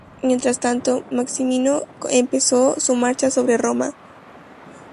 Mientras tanto, Maximino empezó su marcha sobre Roma.